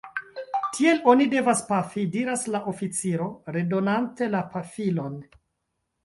Tiel oni devas pafi, diras la oficiro, redonante la pafilon.